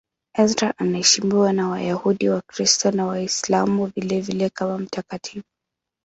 Ezra anaheshimiwa na Wayahudi, Wakristo na Waislamu vilevile kama mtakatifu.